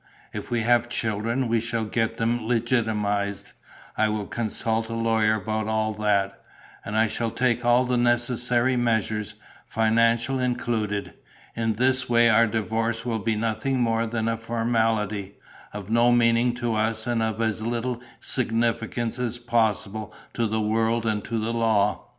If we have children, we shall get them legitimatized. I will consult a lawyer about all that; and I shall take all the necessary measures, financial included. In this way our divorce will be nothing more than a formality, of no meaning to us and of as little significance as possible to the world and to the law.